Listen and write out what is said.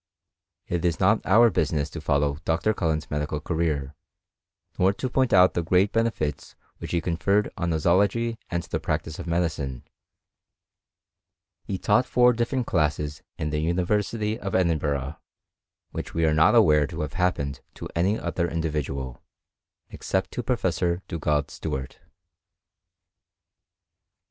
It is not our business to follow Dr. Cullen's medical career, nor to point out the great benefits which he conferred on nosology and the practice of medicine. He taught four different classes in the University of Edinburgh, which we are not aware to have happened to any other individual, except to professor Dugald Stewart.